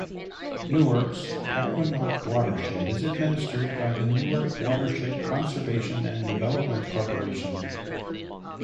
Newark's Pequannock Watershed is administered by the Newark Watershed Conservation and Development Corporation.